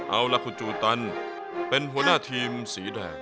เอาล่ะคุณจูตันเป็นหัวหน้าทีมสีแดง